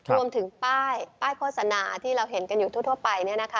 รวมถึงป้ายโฆษณาที่เราเห็นกันอยู่ทั่วไป